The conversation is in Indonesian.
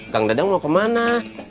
kak dadang mau kemana